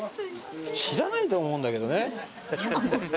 知らないと思うんだけどね。